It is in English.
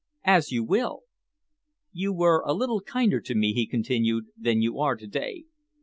"As you will." "You were a little kinder to me," he continued, "than you are to day.